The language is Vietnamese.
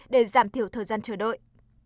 để giảm thiểu thời gian chờ đợi